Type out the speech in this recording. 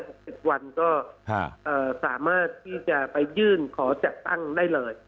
หกสิบวันก็ฮะเอ่อสามารถที่จะไปยื่นขอจัดตั้งได้เลย